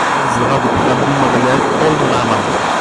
Ad zedɣeɣ deg uxxam n Umeɣlal ṭṭul n lɛemr-iw.